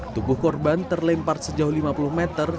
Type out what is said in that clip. tubuh korban terlempar sejauh lima puluh meter